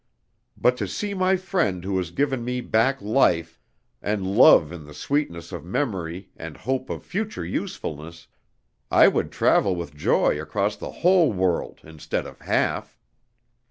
But to see my friend who has given me back life, and love in the sweetness of memory and hope of future usefulness, I would travel with joy across the whole world instead of half.